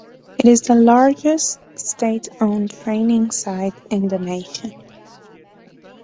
It is the largest state-owned training site in the nation.